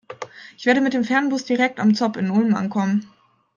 Ich werde mit dem Fernbus direkt am ZOB in Ulm ankommen.